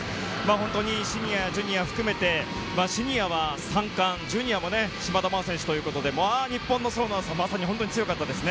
本当にシニア、ジュニア含めてシニアは３冠ジュニアも島田麻央選手ということで日本の層の厚さ本当に強かったですね。